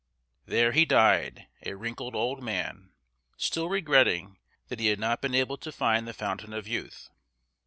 There he died, a wrinkled old man, still regretting that he had not been able to find the Fountain of Youth.